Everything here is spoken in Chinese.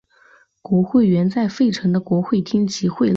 国会原在费城的国会厅集会了。